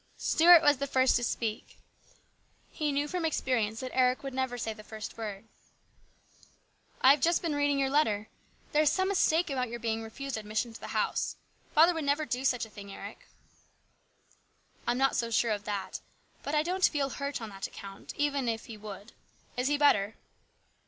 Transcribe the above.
Stuart was the first to speak. He knew from experience that Eric would never say the first word. " I have just been reading your letter. There is some mistake about your being refused admission to the house. Father would never do such a thing, Eric." " I'm not so sure of that. But I don't feel hurt on that account, even if he would. Is he better